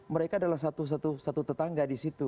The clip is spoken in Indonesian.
mereka adalah satu tetangga di situ